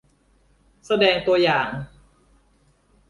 แสดงตัวอย่าง